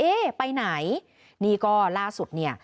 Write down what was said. ไปไหนนี่ก็ล่าสุดเนี่ย